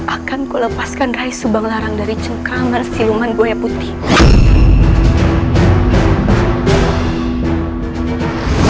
akanku lepaskan rais subanglarang dari cengkraman siluman goya putih